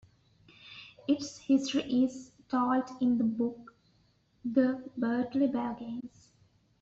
Its history is told in the book "The Birtley Belgians".